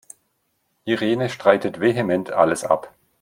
Irene streitet vehement alles ab.